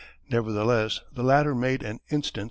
Nevertheless the latter made an instant success.